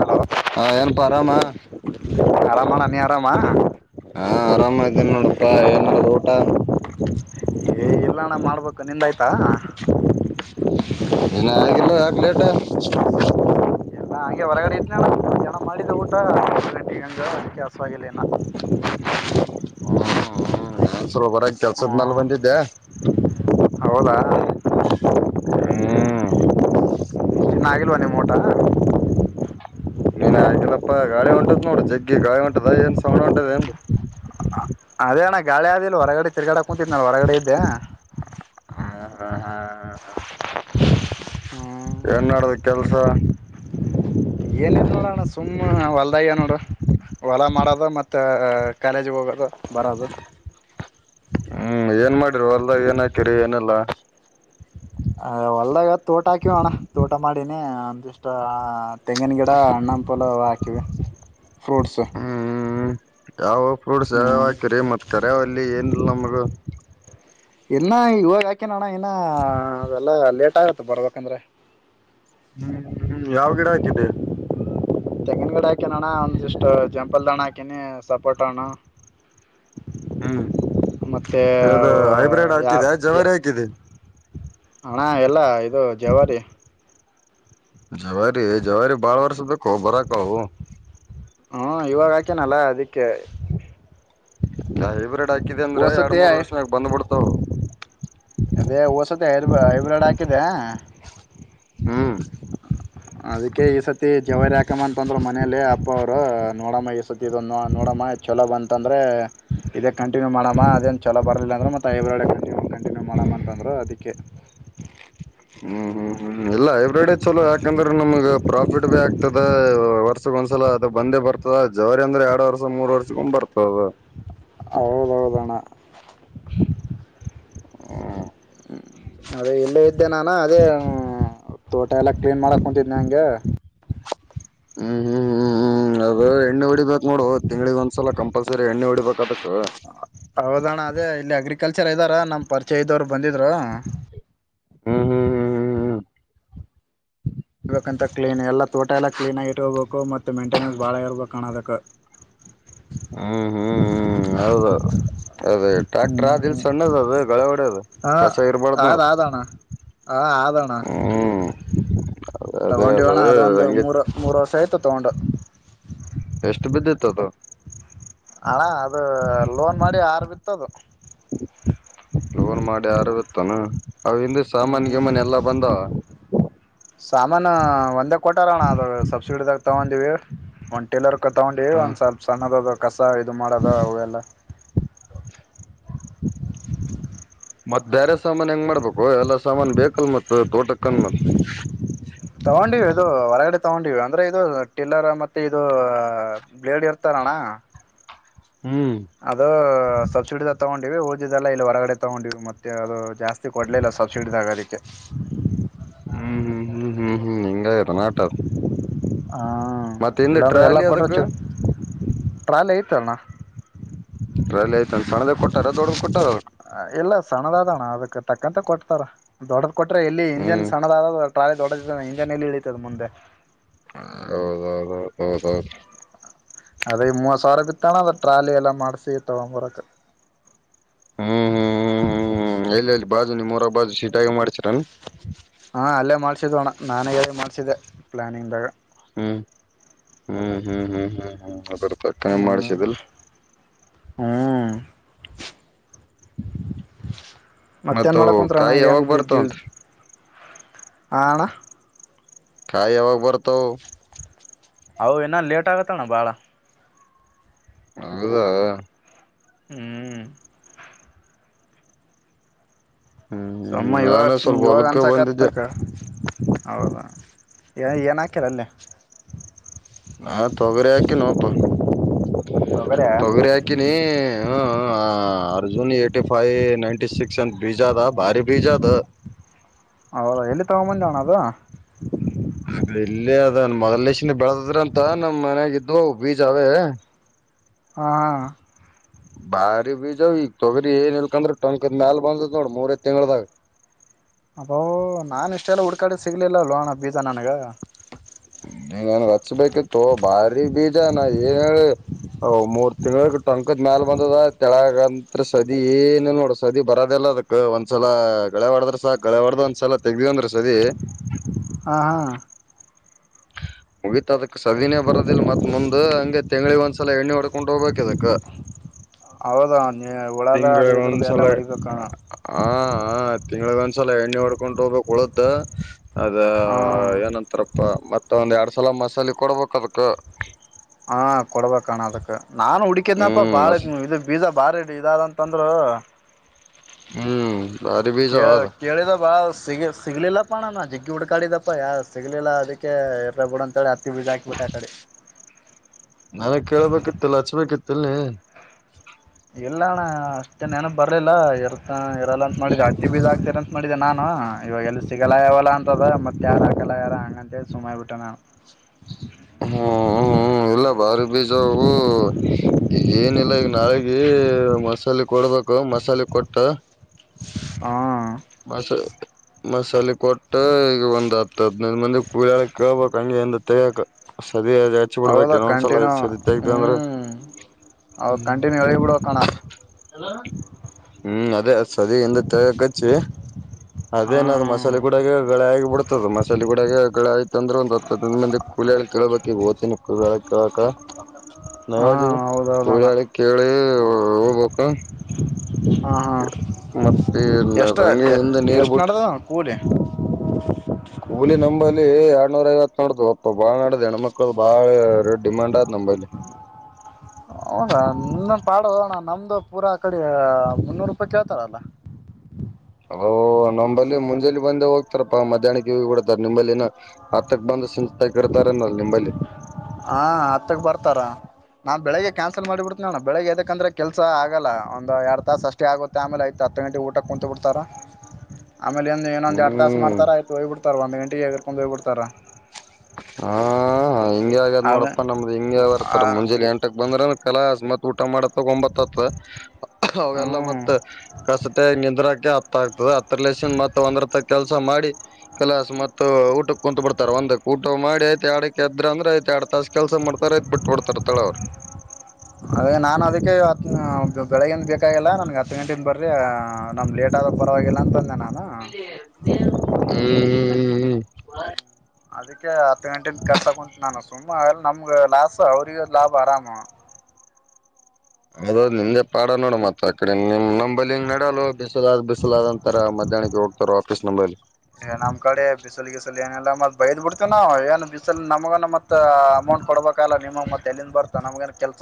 hello ಹಾ ಏನಪಾ ಆರಾಮ ಕಳ ಮಾಡಳ ಬರಾಮ ಹಾ ಆರಾಮ ಇದ್ದೇನಿ ನೋಡಪ್ಪಾ ಏನ್ಡದು ಊಟ ಎಲ್ಲಣ ಮಾಡ್ಬೇಕು ನಿಂದಾಯ್ತಾ ಏನ ಆಗಿಲ್ಲ ಯಾಕ್ ಲೇಟ ಹಾ ಅಂೆ ಹೊರಗಡೆಡಿ ಮಾಡಿದ ಊಟ ಮೂರು ಗಂಟೆಗೆ ಹಂಗೆ ಅದಕ್ಕೆ ಆಸ್ವಾಗಲೇನ ಹ್ಮ್ ಹ್ಮ್ ನನ್ಸೊಬರಾಗಿ ಕೆಲ್ಸದನಲ್ ಹ್ಮ ಬಂದಿದ್ದೆ ಹೌದಾ ಹ್ಮ್ ನ ಆಾಗಿಿಲ್ವ ನಿ ಮೋಟ ನೀನ್ ಹಾಕಿಲ್ಲಪ್ಪಾ ಗಾಳಿ ಹೊಂಟದ್ ನೋಡ್ರ ಜಗ್ಗಿ ಗಾಳಿ ಹೊಂಟದ ಏನ್ ಸೌಂಡ್ ಹೊಂಟದ ಎಂದ್ದ ಅ ಗಾಿಯಾದಲ್ಲಿ ಹೊರಗಡೆ ಕತ್ರಗಟ ಮೂವತ್ತಿನಲ್ು ಹೊರಗಡೆ ಇದ್ದೆ ಹ ಹಾ ಏನ್ ಮಾಡಡದ ಕೆಲ್ಸ ಏನಿಲ್ಲ ನೋಡೋಣ ಸುಮ್ಮನೆ ಹೊಲದಾಗ್ಯ ನೋಡುರು ಹೊಲ ಮಾಡೋದು ಮತ್ತು ಕಾಲೇಜಿಗೆ ಹೋಗೋದು ಬರೋದು ಹ್ಮ್ ಏನ್ ಮಾಡಿರು ಅಲ್ಲ ಏನ್ ಹಾಕಿರಿ ಏನೆಲ್ಲ ಅ ಹೊಲ್ದಾಗ ತೋಟ ಹಾಕಿವಣ ತೋಟ ಮಾಡಿನಿ ಅಂತಿಷ್ಟ ತೆಂಗಿನ ಗಿಡ ಅಣ್ಣ ಪಲ ಹಾಕಿವವಿ ಫ್ರೂಟ್ಸು ಹ ಫೂಡ್ಸ್ ಯ ಹಾಕಿರಿ ಮತ್ ಕರಾವಲ್ಲಿ ಏನ್ಲ್ ನಮಗ ಇನ್ನ ಇವಾಗ ಹಾಕಿನೋಣ್ಣ ಇನ್ನ ಅವಲ್ಲಾ ಲೇಟ್ ಆಗತ್ತ ಬರ್ಬೇಕಂದ್ರೆ ಹ್ಮ್ ಹ್ಮ್ ಯಾವ್ ಗಿಡ ಆಯತು ಇದ್ದ ತೆಂಗಿನಗಡೆ ಹಾಕಿನ ಅಣ್ಣ ಒಂದಿಷ್ಟು ಜಂಪಲ್ ದಣ ಹಾಕಿನಿ ಸಪೋಟ ಹಣ ಹ್ಮ್ ಅದು ಹೈಬ್ರಿಡ್ ಯಾವ ಹಾಕಿದೆಯಾ ಜವರಿ ಹಾಕಿದ ಹಣ ಎಲ್ಲ ಆಯ್ತ ಅ ಜಾವಾರೆ ಜವಾರಿ ಜವಾರಿ ಬಾಳ್ ವರ್ಷ ಬೇಕು ಬರಾಕ್ಕ ಹ್ಮ ಇವಾಗ ಹಾಕೇನಲ್ಲ ಅದಿಕ್ಕೆ ಹವ್ರ ಹಾಕಿದೆ ಅಂದ್ರ ಎರಡು ಓಸತಿ ಮೂರ್ ವರ್ಷನ ಬ್ಬಡ್ ಹ ಅದೇ ಸ ಹೈಬ್ರಿಡ್ ಆಕ ಹ ಹ್ಮ್ ಅದಕ್ಕೆ ಈ ಸತಿ ಜವರಿ ಯಾಕಮ್ಮ ಅಂತ ಅಂದ್ರ ಮ ಮನಲಿ ಅಪ್ಪ ಅವರು ನೋಡಮ್ಮ ಇಸತ್ತ ನೋಡಮ್ಮ ಚಲೋ ಬಂತಂದ್ರೆ ಇದಕ್ಕೆ ಕಂಿನ್ಯೂ ಮಾಡಾಮ ಅೇ ಚಲ ಬ ಇಲ್ಲ ಅಂದ್ರ ಹೈಬ್ರಿಡ್ ಕಂಟಿ ಮಾಡಮ್ಮ ಅಂತಂದ್ರೆ ಅದಕ್ಕೆ ಹ್ಮ್ ಹ್ಮ್ ಹ್ಮ್ ಇಲ್ಲ ಹೈಬ್ರಿಡ್ ಚಲೋ ಯಾಕಂದ್ರೆ ನಮ್ಗ್ ಪ್ರಾಫಿಟ್ ಭೀ ಆಗ್ತದೆ ವರ್ಷ ಒಂದ್ಸಲ ಅದು ಬಂದೇ ಬರ್ತದ ಜವರಿ ಅಂದ್ರೆ ಎರಡು ವರ್ಷ ಮೂರ್ ವರ್ಷಗು ಬರ್ತದ ಹೌದೌದಣ ಹ್ಮ ಅದೇ ಇಲ್ಲೇ ಇದ್ದೆ ನಾನ ಅದೇ ತೋಟ ಎಲ್ಲ ಕ್ಲೀನ್ ಮಾಡಕ್ ಕುಂತಿದ್ದನನೆ ಹಂಗೆ ಹ್ಮ್ ಹ್ಮ್ ಹ್ಮ್ ಹ್ಮ್ ಅದ ಎಣ್ಣೆ ಹೊಡಿಬೇಕಕ್ ನೋಡು ತಿಂಗ್ಳಿಗೆ ಒಂದ್ಸಲ ಕಂಪಲ್ಸರಿ ಎಣ್ಣೆ ಹೊಡಿಬೇಕದ ಹೌದಣ ಅದೇ ಇಲ್ಲಿ ಅಗ್ರ ಕಲ್ಚರ್ ಇದಾರ ನಮ್ಮ ಪರಿಚಯ ಇದ್ರು ಬಂದಿದ್ರ ಹ್ಮ್ ಹ್ಮ್ ಹ್ಮ್ ಹ್ಮ್ ಹ್ಮ ಇಬೇಕಂತ ಕ್ಲೀನ್ ಎಲ್ಲ ತೋಟ ಎಲ್ಲ ಕ್ಲೀನ್ಗಿ ಇಟ್ಕೋಬೇಕು ಮತ್ತು ಮೇಂಟೆನೆನ್ಸ್ ಬಾಳ ಇರ್ಬೇಕುಾಣೋದಕ್ಕ ಹ್ಮ್ ಹ್ಮ್ ಹ್ಮ್ ಹೌದು ಅದೇ ಟಾಕ್ಟ್ರ ದಿಲ್ಸ ಸಣ್ಣದ ಅದು ಗಳ ಹೊಡೆ ಅದು ಹಾ ಕಸ ಇರ್ಬಾರ್ದ್ ಆದ ನೋಡು ಆದಣ್ಣ ಹಾ ಅದಣ ಹ್ಮ್ ಅದೇ ಅದ ತಗೊಂಡಿವಣ ಅದೊಂದು ಹಂಗೆ ಮೂರು ಮೂರು ವರ್ಷ ಆಯ್ತು ತಗೊಂಡು ಎಷ್ಟು ಬಿದ್ದಿತ್ತದ ಹಣ ಅದು ಲೋನ್ ಮಾಡಿ ಆರು ಬಿತ್ತದು ಲೋನ್ ಮಾಡಿ ಆರ ಇತ್ತಾನ ಹ್ಮ್ ಸಾಮಾನ ಒಂದೇ ಕೊಟಾರಣ ಅದ ಸಬ್ಸಿಡಿದಾಗ ತಗೊ ವೆ ಒನ್ ಟೇಲರ್ ತಗೊಂಡಿ ಒಂದ ಸ್ವಲ್ ಸಣ್ಣದ ಕಸ ಇದು ಮಾಡೋದು ಅವೆಲ್ಲ [inaudible] ಮ ಸಾಮಾನನ್ ಹೆಂಗ್ ಮಾಡ್ಬೇಕು ಎಲ್ಲಾ ಸಾಮಾನ ಬೇಕಲ್ ಮತ್ತ ತೋಟ ಕಂಗಮಲ್ ತಗೊಂಡಿವ ಇದು ಹೊರಗಡೆ ತಗೊಂಡಿವ ಅಂದ್ರೆ ಇದು ಟಿಲ್ಲರ್ ಮತ್ತೆ ಮತ್ತೆ ಇದು ಬ್ಲೇಡ್ ಇರ್ತಾರಣ ಹ್ಮ್ ಅದು ಸಬ್ಸಿಡಿ ದ ತಗೊಂಡ ಇವೇ ಓದಿದೆಲ್ಲ ಇಲ್ಲಿ ಹೊರಗಡೆ ತಗೊಂಡವಿ ಮತ್ತೆ ಅದು ಜಾಸ್ತಿ ಕೊಡ್ಲಿಲ್ಲ ಸಬ್ಸಿಡಿದಾಗೋದಕ್ಕೆ ಹ್ಮ್ ಹ್ಮ್ ಹ್ಮ್ ಹ್ಮ್ ಹ್ಮ್ ಹೆಿಂಗ ಇತ ನ ಆಟ ಅದು [inaudible] ಹ್ಮ ಇಲ್ಲಾಂದ್ರೆ ಎಲ್ಲ ಕೊಟ್ರ ಅದಕ್ ಟ್ರಾಲಟ್ ತ್ತಲ ಪಟ ಇಲ್ಲ ಸಣ್ಣದ ಅಾದಣ್ಣ ಅದಕ್ಕೆ ತಕ್ಕಂತ ಕೊಡ್ತಾರ ದೊಡ್ಡ ಕೊಟ್ರೆ ಇಲ್ಲಿ ಇಂಜನ್ ಹ್ಮ್ ಸಣ್ಣದಾದ ಟಾಲಿ ದೊಡ ಇಂಜಾನಲ್ಲಿ ಇಳಿತದ ಮುಂದೆ ಹ ಹೌದೌದ ಹೌದೌದು ಅದೇ ಮೂವ ಸಾವಿರ ಗ ಬಿತ್ತಣ ಅದ ಟ್ರಾಲಿ ಎಲ್ಲ ಮಾಡ್ಸಿ ತಗೊಂಡಂಬರಕ ಹ್ಮ್ ಹ್ಮ್ ಹ್ಮ್ ಹ್ಮ್ ಹ್ಮ್ ಎಲ್ಲೆಲ್ಲಿ ಬಾಜು ನಿಮ್ಮ ಮೂರ ಬಾಜು ಸೀಟಾಗಿ ಮಾಡ್ಸರನ್ ಹಾಂ ಅಲ್ಲೇ ಮಾಡಿಸಿದ್ದೋಣ ನಾನೇ ಮಾಡ್ಸಿದ್ದೆ ಪ್ಲ್ಯಾನಿಂಗ್ ದಾಗ ಹ್ಮ್ ಹ್ಮ್ ಹ್ಮ್ ಹ್ಮ್ ಹ್ಮ್ ಹ್ಮ ಪಕ್ಕನೆ ಹ್ಮ್ ಮಾಡ್ಸಿದಿಲ್ ಹ ಮತ್ತ ಮತ್ತೇನ್ ಕಾಯಿ ಯಾವಾಗ ಬರ್ತವಾಂತ ಆಣ ಕಾಯ ಯವಾಗ ಬರ್ತವು ಅ ಏನ ಲೇಟ್ ಆಗತ್ತಣ್ಣ ಬಾಳ ಹೌದಾ ಹ್ಮ್ಮ್ ಹ್ಮ್ ಸಮ್ಮ ಇವಾಗ ನಾನು ಸ್ವಲ್ಪ ಇವಾಗನ್ ಹೊಲಕ್ಕ ಬಂದಿದ್ದೆ ಸಾಕತ್ತಕ್ಕ ಹೌದಾ ಏನಾಕರ ಅಲ್ಲಿ ಹಾ ತೊಗರೆ ಹಾಕಿ ನೋಪ್ಪ ತೊಗರಿ ತೊಗರೆ ಆಕ ನೀ ಹ ಹ Arjun eighty five ninety six ಅಂತ ಬಿಜ್ ಅದ ಭಾರಿ ಬಿಜ ಅದೋ ಹೌದ ಎಲ್ಲಿ ತಗಂದ್ ಬಂದಿಯಾಣದು ಅದ ಇಲ್ಲೇ ಅದನ್ ಮೊದಲನೇಶನ್ ಬೆಳೆದದ್ರಂತ ನಮ್ ಮನಯಾಗ ಇದ್ವು ಬೀಜ ಅವೇ ಹಾ ಬಾರಿ ಬೀಜಾವ ಈಗ ತೊಗ್ರಿ ಏನ್ ಇಲ್ಕಂದ್ರ ಟಕ ಮ್ಯಾಲ ಬಂದತ್ ನೋಡ್ ಮೂರೈಐ ತಿಂಗಳದಾಗ ಅಬ ಹೊ ನಾನು ಇಷ್ಟೆಲ್ಲ ಹುಡ್ಕಾಡೆ ಸಿಗ್ಲಿಲ್ಲಲ್ವಣ್ಣ ಬೀಜ ನನಗ [unintelligible] ಹಚ್ಚಬೇಕಿತ್ತು ಭಾರಿ ಬೀಜ ನಾ ಏನ್ ಹೇಳಿ ಮೂರ್ ತಿಂಗಳ ಟಂಕ ಮ್ಯಾಲ ಬಂದದ ತೆಳಗಂತ್ರ್ ಸದಿ ಏನ ನೋಡ್ರ ಸದಿ ಬರದಲ್ಲ ಅದಕ್ ಒಂದ್ಸಲ ಗಳೆ ಹೊಡದ್ರ ಸ ಗಳೆ ಹೊಡ್ದ ಒಂದ್ಸಲ ತೆಗ್ದಂದ್ರ ಸದಿ ಹ ಹಾ ಮುಗೀತ್ ಅದಕ್ ಸದಿನೇ ಬರೋದಿಲ್ಲ ಮತ್ ಮುಂದ್ ಹಂಗೆ ತಿಂಗಳಿ ಒಂದ್ಸಲ ಎಣ್ಣೆ ಹೊಡ್ಕೊಂಡ್ ಹೋಗ್ಬೇಕಕ್ದಕ್ ಇದುಕ ಹೌದಾ ನೀ ತಿಂಗಳಿಗೆ ಉಳದದೇರದ್ದ ಎಲ್ಲ ಒಂದ್ಸಲ ಹೊಡಿಬೇಕ ಹ ತಿಂಗಳಗ ಒಂದ್ಸಲ ಎಣ್ಣೆ ಹೊಡ್ಕೊಂಡು ಹೋಗ್ಬೇಕಕ್ ಉಳ್ದ ಅದ ಹಾ ಏನಂತಾರಪ್ಪ ಮತ್ತ ಮತ್ತ ಒಂದ್ ಎರಡ್ ಸಲ ಮಸಾಲೆ ಕೊಡ್ಬೇಕ ಅದಕ್ ಹಾ ಕೊಡ್ಬೇಕಣ ಅದಕ್ಕ ನಾನು ಹಡಿಕಕನಪ್ಪ ಹ್ಮ್ ಬಾಳ ಇ ಬೀಜ ಬಾರಿಡಿ ಇದಂತಂದ್ರು ಹ್ಮ ಕೆ ಕೆಳಿದೆ ಭಾ ಸಿಗ ಸಿಗ್ಲಿಲ್ಲ ಣಣ ಜೆಗ್ಗಿ ಹುಡ್ಕಾಡಿದಪ್ಪ ಯಾರ ಸಿಗ್ಲಿಲ್ಲಾ ಅದಕ್ಕೆ ಇರ್ರ ಬಿಡ ಅಂತೇಳಿ ಹತ್ತಿ ಬೀಜ ಹಾಕಿ ಬಿಟ್ಟೆ ಆ ಕಡೆ ನನಗ್ ಕೇಳ್ಬೇಕಿತ್ತು ಲ ಹಚ್ಬೇಕಿತ್ತು ಇಲ್ ಈ ಇಲ್ಲ ಅಣ್ಣ ಅಷ್ಟೇ ನೆನಪ್ ಬರ್ಲಿಲ್ಲ ಇರ್ತ ಅಲ್ಲ ಅಂತ ಮಾಡಿದ್ಯಾ ಹತ್ತಿ ಬೀಜ ಹಾಕ್ತಾನ ಅಂತ ಮಾಡಿದ್ಯಾ ನಾನು ಆ ಇವಾಗ ಎಲ್ ಸಿಗಲಾಗ್ಯವ ಅಂತದ ಮತ್ ಯಾರನ ಹಕ್ಯಾಂಡೋಗ್ಯರ ಅದ್ಕೆ ಸುಮ್ ಆಗ್ಬಿಟ್ಟೆ ನಾನು ಹಾ ಹ್ಮ ಹ್ಮ ಇಲ್ಲ ಬಾರಿ ಬೀಜ ಈಗ ಏನಲ್ಲ ನಾಳಗ ಮಸಾಲೆ ಕೊಡ್ಬೇಕ ಮಸಾಲೆ ಕೊಟ್ಟ ಹಾ ಮಸ ಮಸಾಲೆ ಕೊಟ್ಟ ಒಂದ್ ಹತ್ತು ಹದನೈದು ಮಂದಿ ಕೂಲಿಹಾಳು ಕೇಳಬೇಕ್ ಹಂಗೆ ಇಂದ ತಗ್ಯಕ ಹೌದಾ ಕಂಟಿನ್ಯೂ ತೆಗ್ದ ಹ್ಞೂ ಅಂದ್ರ ಹೌದು ಕಂಟಿನ್ಯೂ ಹೇಳಿಬಿಡ್ಬೇಕಣ ಹ್ಮ್ ಅದೇ ಸದಿ ಹಿಂದೆ ತಗ್ಯಕ ಹಚಿ ಅದೇ ನದು ಮಸಾಲೆ ಹಾ ಕೂಡಾಗ ಗಳೆ ಆಗಿ ಬಿಡ್ತದ ಮಸಾಲೆ ಕೂಡ ಮಳಡೆ ಆಯ್ತಂದ್ರೆ ಒಂದ ಹತ್ತು ಹದಿನೈದು ಮಂದಿ ಕೂಲಿಯರು ಕೇಳ್ಬೇಕ್ ಈಗ ಓತೀನಿ ಕೂಲಿಹಾಳು ಕೇಳಳ್ಕ್ ಹಾ ನವಾಜ ಹೌದೌದಣ್ಣ ಕೂಲಿಗಳ ಕೇಳಿ ಹೋಬೇಕ ಮತ್ತ ಎಷ್ಟು ನಡದ ಕೂಲಿ [inaudible] ಕೂಲಿ ನಂಬಲ್ಲಿ ಲ್ಲಿ ಎರಡ್ನೂರ ಐವತ್ತು ನೋಡ್ದು ಒಪ್ಪ ಬಾಳ್ ನಾಡ್ದ್ ಹೆಣ್ಮಕ್ಳ ಬಾಳ ಡಿಮಾಂಡ್ ಆದ್ ನಂಬಲ್ಲಿ ಹೌದಾ ನನ್ನ ಪಾಡ ಹೋಣ ನಮ್ದು ಪೂರಾ ಕಡೆ ಮುನ್ನೂರು ರೂಪಾಯಿ ಚೇಳ್ತಾರಲ್ಲ ಅ ನಂಬಲ್ಲಿ ಮುಂಜೇಲಿ ಬಂದ ಹೋಗ್ ರಪ ಮಧ್ಯಾಹ್ಕ್ಕೆ ಹೋಗ್ ಬಿಡ್ ಹತ್ತಕ್ ಬಂದ ಸಂಜಿತಕ ಇರ್ತಾರಲ್ಲ ನಿಂಬಲ್ಲಿ ಹಾಂ ಹತ್ತಕ್ಕೆ ಬರ್ತಾರ ನಾನು ಬೆಳಿಗ್ಗೆ ಕ್ಯಾನ್ಸಲ್ ಮಾಡಿಬಿಡ್ತೀನೋಣ ಬೆಳಗ್ಗೆ ಎದಕ್ಕೆಂದ್ರೆ ಕೆಲಸ ಆಗೋಲ್ಲ ಒಂದು ಎರಡು ತಾಸು ಅಷ್ಟೇ ಆಗುತ್ತೆ ಆಮೇಲೆ ಐತು ಹತ್ತು ಗಂಟೆ ಊಟಕ್ಕೆ ಕುೂಂತು ಬಿಿಡ್ತಾರ ಆಮೇ ಏನನ ಇನೊಂದು ಎಡು ತಾಸ ಹ್ಮ್ ಮಾಡ್ತಾರ ಆಯ್ತು ಹೋಗ ಬಿಡ್ತಾರೆ ಒಂದ ಗಂಟೆ ಗಕೊಂಡ ಹೋಗ್ಬಿಡ್ತಾರಾ ಹಾ ಹಂಗಗೆ ಆಗದ ಅದೇ ನೋಡಪ್ಪ ನಮ್ದ್ ಹಿಂಗ ಬರ್ತರ ಮುಂಜೆ ಎಂಟಕ್ ಬಂದ್ರ ಕಲಾಸ ಮತ್ ಊಟ ಮಾಡಕ ಒಂಬತ್ತು ಅತದ ಅವೆಲ್ಲ ಹ್ಮ್ ಮತ್ತ್ ಕಸತೆ ನಿದ್ರಾಕ ಹ ಆಗ್ತದೆ ಹತ್ರಲ ಮತ್ತ ಒಂದರತ್ರ ಕೆಲಸ ಮಾಡಿ ಕಲಾಸ್ ಮ ಊಟಕ್ಕೆ ಕುೂತ್ ಬಿಡ್ತಾರೆ ಒಂದಕ್ ಊಟ ಮಾಡಿ ಆಯ್ತ ಎಡಕ ಎದ್ರ ಅಂದ್ರ ಆಯ್ತ ಎರಡ್ ತಾಸ ಕೆಲ್ಸ ಮಾಡತಾರ ಆಯ್ತ್ ಬಿಟ್ಟ ಕೊಡ್ತಾರ ತಳ ಅವ್ರು ಅದೇ ನಾನನ್ ಅದಕ್ಕೆ ಹ್ ಬೆಳಗ್ಗಿನಿಂದ ಬೇಕಾಗಿಲ್ಲ ನನಗೆ ಹತ್ತು ಗಂಟೆಯಿಂದ ಬರರಿ ನಮ್ಮಗೆ ಲೇಟ್ ಆದಾಗ ಪರವಾಗಿಲ್ಲ ಅಂತ ನಾನು ಹ್ಮ್ ಹ್ಮ್ ಹ್ಮ್ ಹಾ [inaudible] ಅದಕ್ಕೆ ಹತ್ತು ಗಂಟೆಯಿಂದ ಕರ್ಸಕ ಕುಂತ ನಾನು ಸುಮ್ಮ ನಮ್ಗ ಲಾಸ್ ಅವ್ರಗ ಲಾಭ ಆರಾಮ ಅದದು ನಿಂದೆ ಪಾಡ ನೋಡು ಮತ್ತ ಅಕಡೆ ನಿಮ್ ನಂಬೈಲಿ ಹ ನಡಲ್ಲ ಬಿಸಲಾದ್ ಬಿಸಲಾದ್ ಅಂತಾರ ಮಧ್ಯಾಹ್ಕ್ಕೆ ಹೋಗ್ತಾರ ಆಫೀಸ್ ನಂಬೈಲಿ ನಮ್ಮ್ ಕಡೆ ಬಿಸಲು ಬಿಸಲು ಏನಲ್ಲ ಮತ್ ಬೈದ್ ಬಿಡ್ತೇವ ನಾವ ಏನು ಬಿಸಲು ನಮಗನ ಮತ್ ಅಮೌಂಟ್ ಕೊಡ್ಬೇಕಲ್ಲ ನಿಮ್ಮ ಮತ್ತೆ ಎಲ್ಲಿಂದ ಬರ್ತಾ ನಮಗ ಕೆಲ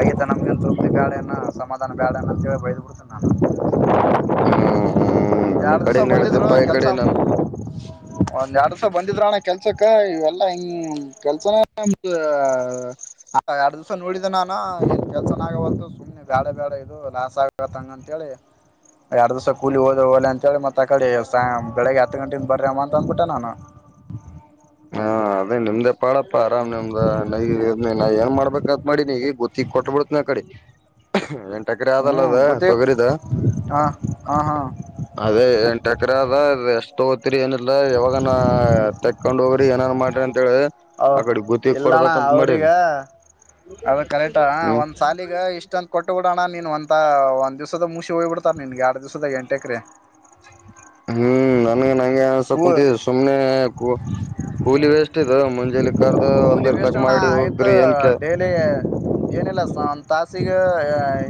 ಆಗಿದ್ದ ನಮ್ಗೆಂತ ತೃಪ್ತಿ ಬೇಡ ಏನ ಸಮಧಾನ ಬ್ಯಾಡನ ಅಂತಿ ಬಯದ್ ಬಿಡ್ತೇನೆ ನಾನು ಹ್ಮ್ ಹ್ಮ್ ಒಂದ ನಮ್ ಎರಡ್ ದಿವಸ ಕಡೆಗ್ ಬಂದಿದ್ರು ನಡದಪ್ಪಾ ಈ ಕೆಲ್ [unintelligible] ಕಡೆ ಮತ್ತ ನಮ್ [inaudible] ಒಂದ್ ಎರಡ್ ದಸ ಬಂದಿದ್ರಣ್ಣ ಕೆಲ್ಸಕ್ಕ ಇವೆಲ್ಲಾ ಹಂಗ ಕೆಲ್ಸನ ಎರಡ್ ದಿವಸ ನೋಡಿದ ನಾನ ಏನ್ ಕೆಲ್ಸನಾಗವತ್ತು ಸುಮ್ನೆ ಬ್ಯಾಡ ಬ್ಯಾಡ ಇದು ಲಾಸ್ ಆಗತ್ಂಗ ಅಂತ ಹೇಳಿ ಎರಡ್ ದಿವಸ ಕೂಲಿ ಹೋದ ಲೆ ಅಂತೇಳಿ ಮತ್ತತ್ ಅ ಕಡೆ ಬೆಳಿಗ್ಗೆ ಹತ್ತು ಗಂಟೆಯಿಂದ ಬರ್ರಿ ಅಮ್ಮ ಅಂತ ಅಂದ್ಬಿಟ್ಟ ನಾನು ಹಾ ಅದೇ ನಿಮ್ದೆ ಬಾಳಪ್ಪಾ ಆರಾಮ್ ನಮ್ದ ನ ನ ಏನ್ ಮಾಡ್ಬೇಕಂತ ಮಾಡಿ ನೀ ಗೊತ್ತಿ ಕೊಟ್ ಬಿಡತ ನ ಕಡೆ ಅ [unintelligible] ಇಕಾಡಿ ಆದಲ್ಲ ಹ್ಮ್ ಅದ ಗೊತ್ತೇ ತೊಗರಿದ ಹಾ ಹಾ ಹಾ ಅದೇ ಎಕರೆ ಅದ ಎಷ್ಟು ಹೋಗ್ತರಿ ಏನ ಯಾವಾಗನ [unintelligible] ಕೊಂಡ ಹೋಗ್ರಿ ಏನನ್ ಮಾಡ್ರ ಓ ಇಲ್ಲಣ್ಣ ಅವ್ರಿಗ ಮಾಡೇನಿ ಅದು ಕರೆಕ್ಟ ಹ್ಮ್ ಒಂದ್ ಸಾಲಿಗ ಇಷ್ಟಂತ ಕೊಟ್ಟುಬಿಡಣ ನೀನು ಒಥ ಒಂದು ದಿವಸದ ಮುಸಿ ಹೋಗ್ಬಿಡ್ತಾರೆ ನಿನಗೆ ಎರಡು ದಿವ್ಸದ ಎಂಟ ಎಕ್ರೆ ಹ್ಮ್ ನಾನ [inaudible] ಸುಮನೆ ಕಲಿ ಬೆಸ್ ಮುಂಜೆಲಿ ಕರ್ದ ಕೂಲಿ ಒಂದರ್ ವೆಸ್ಟ್ ತಕ್ ಅಣ್ಣ ಮಾಡಿ ಆಯ್ತು ಹೋಗ್ತರಿ ಏನ್ ಕೆ ಡೈಲಿ ಏನಿಲ್ಲ ತಾಸಿಗೆ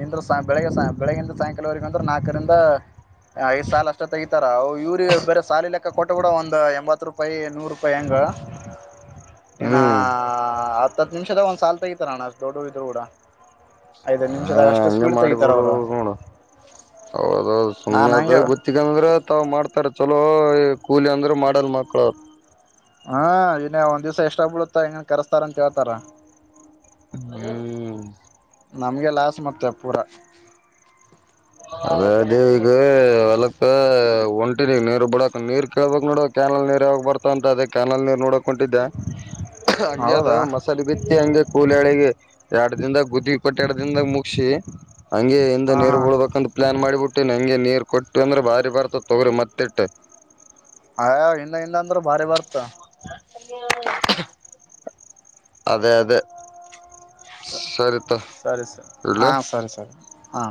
ಇಂದ್ರ ಬೆಳಗ್ಗೆ ಬೆಳಗ್ಗೆಯಿಂದ ಸಾಯಂಕಾಲವರೆಗ ಅಂದ್ರೆ ನಾಲ್ಕರಿಂದ ಐದ್ ಸಾಲಲ್ ಅಷ್ಟೊ ತಗತಾರ ಅವ ಇವ್ರ ಬೇರೆ ಸಾಲ ಇಲ್ಲ ಅಕ್ಕ ಕೊಟ್ಟೆ ಕೂಡ ಒಂದು ಎಂಬತ್ತು ರೂಪಾಯಿ ನೂರು ರೂಪಾಯಿ ಹೆಂಗ ಇನ್ನು ಹ್ಮ್ ತತ್ ನಿಮಿಷದ ಒಂದ್ ಸಾಲ್ ತಗಿತ ಅಣ ಅಷ್ಟು ದೊಡ್ಡ ಇದ್ರರು ಕೂಡ ಐದ್ ಹಾ ನಿಮಿಷದಾಗ ಅಷ್ಟು ಹಂಗೆ ಸ್ಪೀಡ್ ತೆಗಿತಾರ ಮಾಡಿಬಿಡು ಅವ್ರು ನೋಡು ಹದ ಸುಮ್ಮನೆ ನಾನ್ ಅದ ಹಂಗೆ ಗೊತ್ತಿಕಂದ್ರೆ ತಾವ್ ಮಾಡ್ತಾರ ಚ ಕೂಲಿ ಅಂದ್ರೆ ಮಾಡಲ್ ಮಕ್ಳ ಅವರು ಹಾ ನ ಒಂದ್ ದಿವ್ಸ ಎಷ್ಟ ಆಗ್ಬ ಬಿಡುತ್ತಾ ಇನ್ನನ್ ಕರೆಸ್ತಾರ ಅಂತ ಹೇಳ್ತಾರ ಹ್ಮ್ [inaudible] ನಮಗೆ ಲಾಸ್ ಮತ್ತೆ ಪೂರ ಅದೇ ಅದೇ ಈಗ ಎಲಕ್ಕ ಒಂಟಿನಗ್ ನೀರ್ ಬಿಡಕ್ ನೀರ್ ಕೇಳ್ಬಕ್ ನೋಡ ಕ್ಯಾನಲ್ ನೀರ್ ಯಗ ಬರ್ತ ಅಂತ ಅದೇ ಕ್ಯಾನಲ್ ನೀರ್ ನೋಡಕ್ ಕೊಟ್ಟಿದ್ದ ಹಂಗೆ ಅದು ಹೌದಾ ಮಸಾಲೆ ಬಿತ್ತಿ ಹಂಗೆ ಕೂಲಿಳಿಗೆ ಎರಡ ದಿಂದಾಗ ಗುದ ಕೊಟ್ಟ ಎರಡ ದಿನಾಗ ಮುಗಸಿ ಹಂಗೆ ಹಿಂದ ಹ ಹಾ ನೀರು ಬಳ್ಬೇಕ ಪ್ಲಾನ್ ಮಾಡಿಬಿಟ್ಟು ನಂಗೆ ನೀರ್ ಕೊಟ್ಟವಿ ಅಂದ್ರೆ ಬಾರಿ ಬರ್ತತ್ ತೊಗ್ರಿ ಮತ್ತಿಟ್ಟ ಅಯ್ಯೋ ಇಲ್ಲ ಇಲ್ಲ ಅಂದ್ರೂ ಭಾರಿ ಬರ್ತ [unintelligible] ಅದೇ ಅದೇ ಸ ಸರಿತ ಸರಿ ಸರ್ ಇಡ್ಲ ಹಾಂ ಸರಿ ಸರಿ ಹಾ